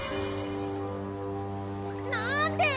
なんで！？